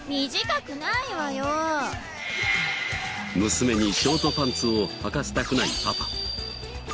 娘にショートパンツをはかせたくないパパ。